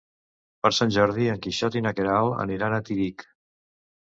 Per Sant Jordi en Quixot i na Queralt aniran a Tírig.